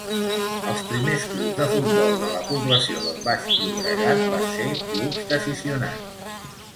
Els primers clubs de futbol de la població del Baix Llobregat van ser clubs d'aficionats.